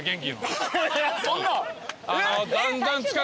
そんな。